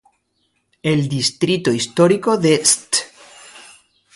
El Distrito histórico de St.